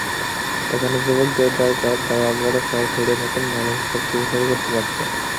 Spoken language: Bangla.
এখানে যুবকদের দরকার, যারা বড় শহর ছেড়ে নতুনভাবে সবকিছু শুরু করতে চায়।